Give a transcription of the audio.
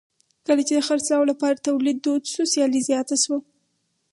کله چې د خرڅلاو لپاره تولید دود شو سیالي زیاته شوه.